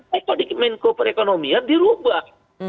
makanya kok di mk di rubah